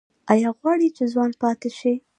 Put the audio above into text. ایا غواړئ چې ځوان پاتې شئ؟